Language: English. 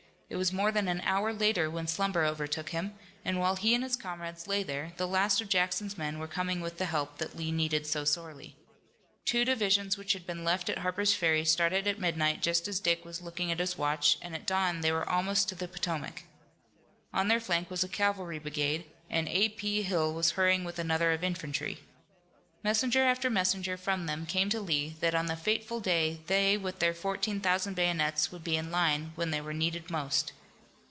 It was more than an hour later when slumber overtook him, and while he and his comrades lay there the last of Jackson's men were coming with the help that Lee needed so sorely. Two divisions which had been left at Harper's Ferry started at midnight just as Dick was looking at his watch and at dawn they were almost to the Potomac. On their flank was a cavalry brigade and A. P. Hill was hurrying with another of infantry. Messenger after messenger from them came to Lee that on the fateful day they with their fourteen thousand bayonets would be in line when they were needed most.